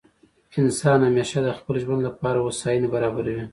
انسان همېشه د خپل ژوند له پاره هوسایني برابروي.